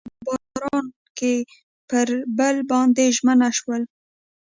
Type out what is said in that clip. هغوی په آرام باران کې پر بل باندې ژمن شول.